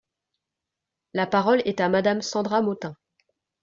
La parole est à Madame Cendra Motin.